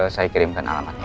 saya kirimkan alamatnya